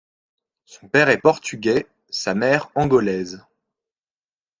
Son père est portugais, sa mère angolaise.